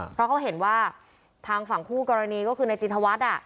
เพราะเขาเห็นว่าทางฝั่งคู่กรณีก็คือนายจินทวัฒน์